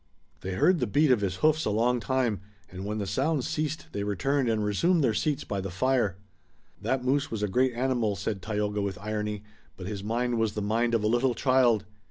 They heard the beat of his hoofs a long time, and when the sound ceased they returned and resumed their seats by the fire. "That moose was a great animal," said Tayoga with irony, "but his mind was the mind of a little child.